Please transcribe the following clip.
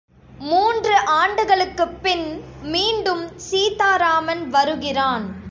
மூன்று ஆண்டுகளுக்குப்பின் மீண்டும் சீதாராமன் வருகிறான்.